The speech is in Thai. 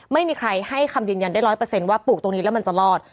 ไม่มีใครให้คำดินยันได้ร้อยเปอร์เซ็นต์ว่าปลูกตรงนี้แล้วมันจะรอด